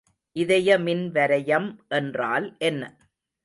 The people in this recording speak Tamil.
இதய மின்வரையம் என்றால் என்ன?